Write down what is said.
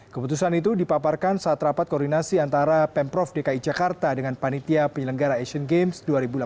keputusan itu dipaparkan saat rapat koordinasi antara pemprov dki jakarta dengan panitia penyelenggara asian games dua ribu delapan belas